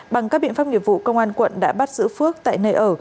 bằng các biện pháp nghiệp vụ công an quận đã bắt giữ phước tại nơi ở